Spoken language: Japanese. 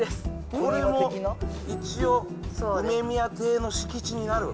これも一応、梅宮邸の敷地になる？